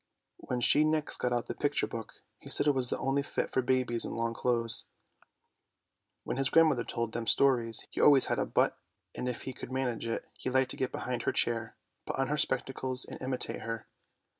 When she next got out the picture book he said it was only fit for babies in long clothes. When his grandmother told them stories he always had a but —, and if he could manage it, he liked to get behind her chair, put on her spectacles and imitate her.